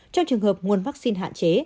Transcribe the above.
trong trường hợp nguồn vaccine hạn chế